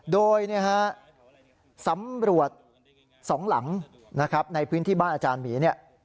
โดยสำรวจสองหลังในพื้นที่บ้านอาจารย์หมี